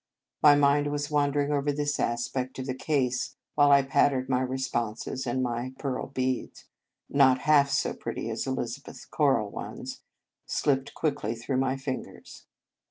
My mind was wandering over this aspect of the case while I pattered my responses, and my pearl beads not half so pretty as Elizabeth s coral ones slipped quickly through my fingers.